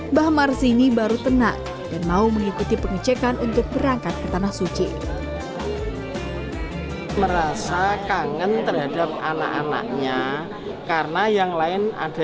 mbah marsini baru tenang dan mau mengikuti pengecekan untuk berangkat ke tanah suci